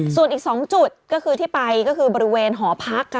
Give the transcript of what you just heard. ส่วนอีกสองจุดที่ไปก็คือบริเวณหอพัก